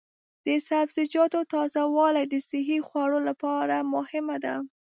د سبزیجاتو تازه والي د صحي خوړو لپاره مهمه ده.